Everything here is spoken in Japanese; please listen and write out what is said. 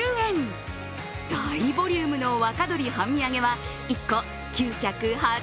大ボリュームの若鳥半身揚げは１個９８０円。